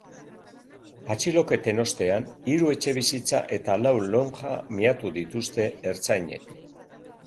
Atxiloketen ostean hiru etxebizitza eta lau lonja miatu dituzte ertzainek.